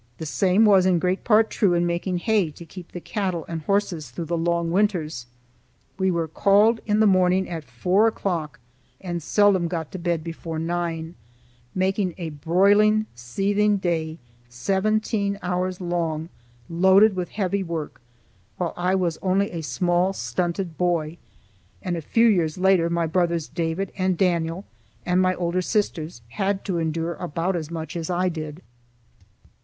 The same was in great part true in making hay to keep the cattle and horses through the long winters. We were called in the morning at four o'clock and seldom got to bed before nine, making a broiling, seething day seventeen hours long loaded with heavy work, while I was only a small stunted boy; and a few years later my brothers David and Daniel and my older sisters had to endure about as much as I did.